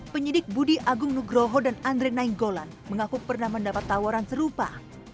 penyidik budi agung nugroho dan andre nainggolan mengaku pernah mendapat tawaran serupa